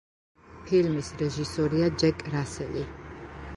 ფილმის რეჟისორია ჯეკ რასელი.